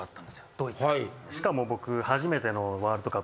しかも僕。